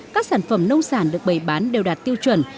các sản phẩm nông sản được bày bán đều đạt tiêu chuẩn